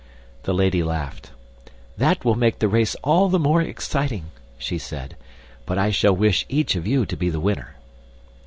The lady laughed. "That will make the race all the more exciting," she said. "But I shall wish each of you to be the winner."